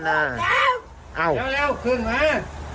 เร็วเร็วขึ้นมา